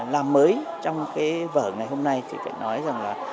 làm mới trong cái vở ngày hôm nay thì phải nói rằng là